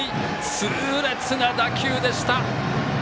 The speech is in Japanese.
痛烈な打球でした。